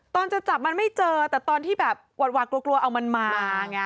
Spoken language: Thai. จะจับมันไม่เจอแต่ตอนที่แบบหวาดกลัวเอามันมาไง